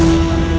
aku akan menang